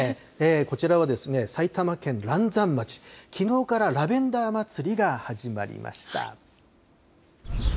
こちらは、埼玉県嵐山町、きのうからラベンダーまつりが始まりました。